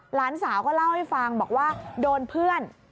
หลานสาวก็เล่าให้ฟังบอกว่าโดนเพื่อน